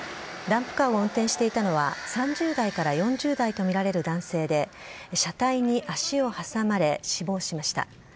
ダンプカーを運転していたのは、３０代から４０代と見られる男性で、車体に足を挟まれ死亡しました。